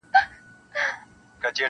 • لکه پتڼ درته سوځېږمه بلبل نه یمه -